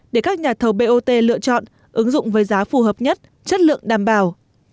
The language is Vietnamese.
để các nhà thầu bot lựa chọn ứng dụng với giá phù hợp nhất chất lượng đảm bảo